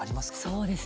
そうですね